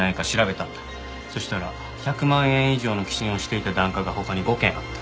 そしたら１００万円以上の寄進をしていた檀家が他に５軒あった。